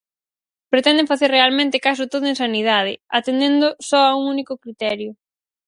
Pretenden facer realmente case todo en sanidade, atendendo só a un único criterio.